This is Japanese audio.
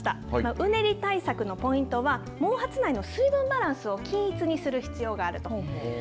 うねり対策のポイントは毛髪内の水分バランスを均一にする必要があると。